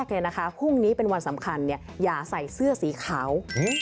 พรุ่งนี้เป็นวันสำคัญอย่าใส่เสื้อสีขาว